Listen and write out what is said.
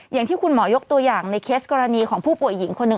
อย่างที่คุณหมอยกตัวอย่างในเคสกรณีของผู้ป่วยหญิงคนหนึ่ง